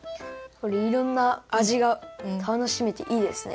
いろんなあじが楽しめていいですね。